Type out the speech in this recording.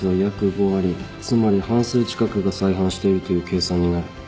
つまり半数近くが再犯しているという計算になる。